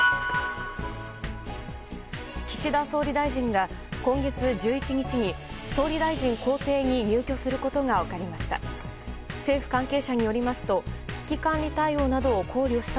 岸田総理大臣が、今月１１日に総理大臣公邸に入居することが分かりました。